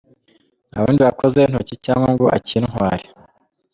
Nta wundi wakozaho intoki cyangwa ngo akintware.